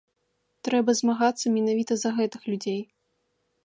Трэба змагацца менавіта за гэтых людзей.